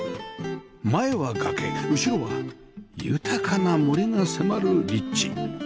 前は崖後ろは豊かな森が迫る立地